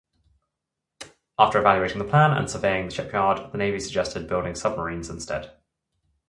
After evaluating the plan and surveying the shipyard, the Navy suggested building submarines instead.